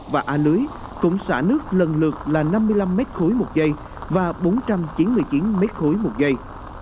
và hạ lưu cũng xả nước lần lượt là năm mươi năm mét khối một giây và bốn trăm chín mươi chín mét khối một giây